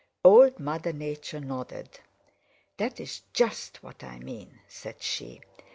Old Mother Nature nodded. "That is just what I mean," said she.